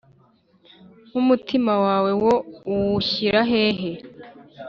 nk’umutima wawe wo uwushyira hehe’